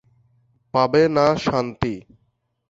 পাবে না শান্তি।